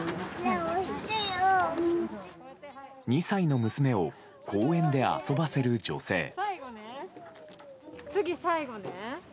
２歳の娘を公園で遊ばせる女性。